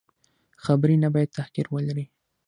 خبرې نه باید تحقیر ولري.